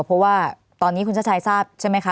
เพราะว่าตอนนี้คุณชาติชายทราบใช่ไหมคะ